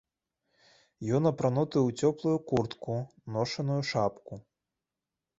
Ён апрануты ў цёплую куртку, ношаную шапку.